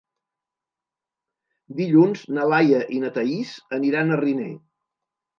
Dilluns na Laia i na Thaís aniran a Riner.